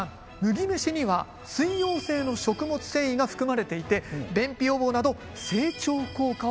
麦飯には水溶性の食物繊維が含まれていて便秘予防など整腸効果を高めるんです。